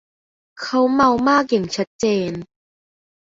เค้าเมามากอย่างชัดเจน